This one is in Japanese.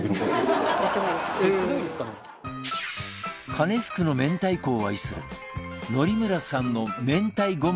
かねふくの明太子を愛する法村さんの明太ごま油レシピは